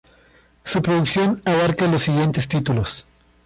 Su producción abarca los siguientes títulos.